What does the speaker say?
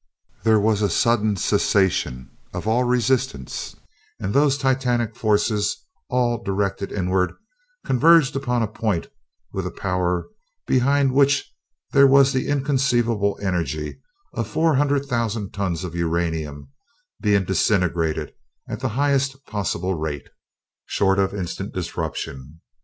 There was a sudden cessation of all resistance, and those Titanic forces, all directed inward, converged upon a point with a power behind which there was the inconceivable energy of four hundred thousand tons of uranium, being disintegrated at the highest possible rate, short of instant disruption.